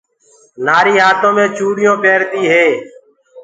نآريٚ هآتو مي چوڙِيونٚ پيرديٚ هي